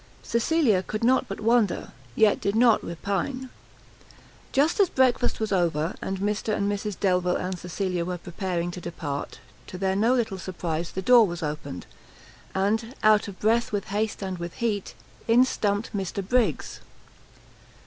Cecilia could not but wonder, yet did not repine. Just as breakfast was over, and Mr and Mrs Delvile and Cecilia were preparing to depart, to their no little surprise, the door was opened, and, out of breath with haste and with heat, in stumpt Mr Briggs!